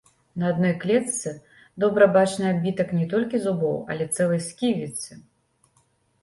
На адной клетцы добра бачны адбітак не толькі зубоў, але цэлай сківіцы!